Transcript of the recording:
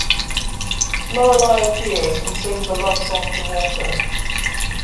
Loreley appears and sings a love song to Walter.